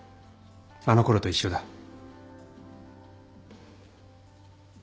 あのころと一緒だ。